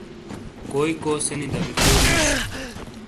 کوئی کوسے نی دبہ کیو نوش ؟